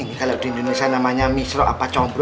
ini kalau di indonesia namanya misrok apa combro